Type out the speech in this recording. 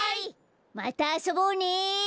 またあそぼうね！